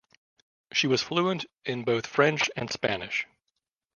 She was fluent in both French and Spanish.